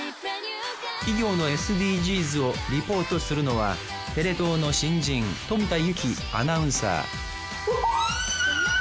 企業のＳＤＧｓをリポートするのはテレ東の新人冨田有紀アナウンサー